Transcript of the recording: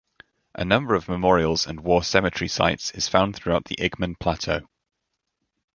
A number of memorials and war cemetery sites is found throughout the Igman plateau.